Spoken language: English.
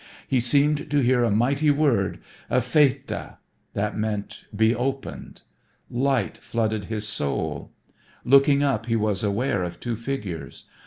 He seemed to hear a mighty word Ephphatha that meant "be opened." Light flooded his soul. Looking up he was aware of two figures.